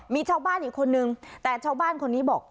มีชาวบ้านอีกคนนึงแต่ชาวบ้านคนนี้บอก